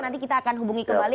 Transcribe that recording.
nanti kita akan hubungi kembali